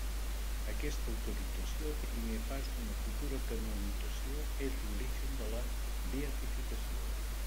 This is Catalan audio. Aquesta autorització, primer pas d'una futura canonització, és l'origen de la beatificació.